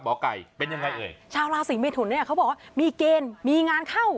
ไก่เป็นยังไงเอ่ยชาวราศีเมทุนเนี่ยเขาบอกว่ามีเกณฑ์มีงานเข้า